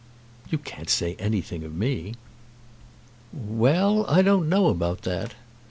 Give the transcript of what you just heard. "You can't say anything of me." "Well; I don't know about that.